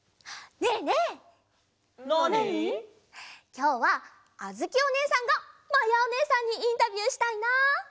きょうはあづきおねえさんがまやおねえさんにインタビューしたいな！